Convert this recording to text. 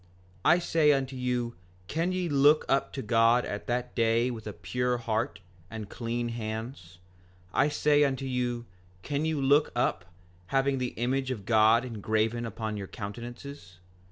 5:19 I say unto you, can ye look up to God at that day with a pure heart and clean hands? I say unto you, can you look up, having the image of God engraven upon your countenances?